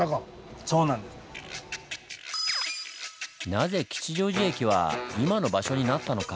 なぜ吉祥寺駅は今の場所になったのか？